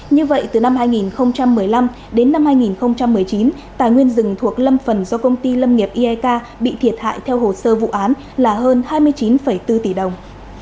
như vậy từ năm hai nghìn một mươi năm đến năm hai nghìn một mươi chín tài nguyên rừng thuộc lâm phần do công ty lâm nghiệp iek bị thiệt hại theo hồ sơ vụ án là hơn hai mươi chín bốn tỷ đồng